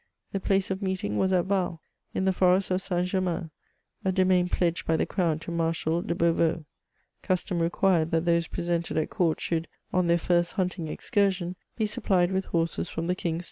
The place of meeting was at Val, in the forest of St. Germain, a domain pledged by the Crown to Marshal de Beauveau. Custom required, that those pre sented at court should, on their first hunting excursion, be supplied with horses from the King's stables.